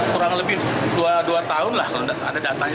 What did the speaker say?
kurang lebih dua tahun lah kalau tidak ada datanya